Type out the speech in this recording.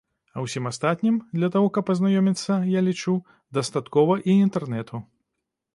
А ўсім астатнім, для таго, каб азнаёміцца, я лічу, дастаткова і інтэрнэту.